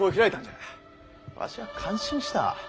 わしゃ感心した。